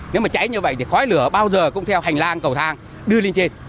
nếu mà cháy như vậy thì khói lửa bao giờ cũng theo hành lang cầu thang đưa lên trên